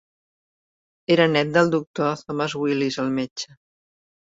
Era nét del doctor Thomas Willis, el metge.